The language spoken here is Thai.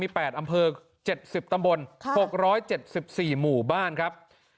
มีแปดอำเภอเจ็ดสิบตำบลค่ะหกร้อยเจ็ดสิบสี่หมู่บ้านครับ